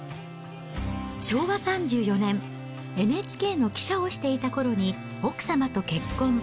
昭和３４年、ＮＨＫの記者をしていたころに奥様と結婚。